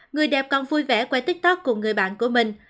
người đẹp còn vui vẻ quay tiktok cùng người bạn của mình